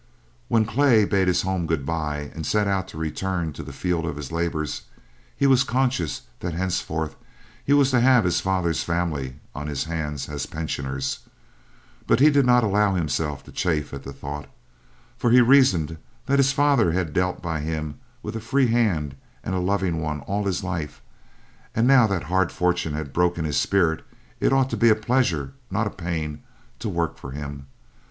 When Clay bade his home good bye and set out to return to the field of his labors, he was conscious that henceforth he was to have his father's family on his hands as pensioners; but he did not allow himself to chafe at the thought, for he reasoned that his father had dealt by him with a free hand and a loving one all his life, and now that hard fortune had broken his spirit it ought to be a pleasure, not a pain, to work for him.